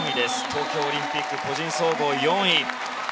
東京オリンピック個人総合４位。